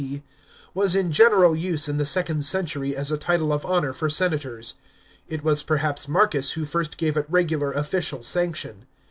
C.) * was in general use in the second century as a title of honour for senators. It was perhaps Marcus who first gave it regular official sanction.